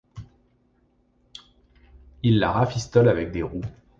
Ils la rafistolent avec des roues…